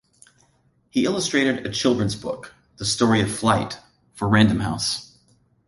He illustrated a children's book, "The Story of Flight", for Random House.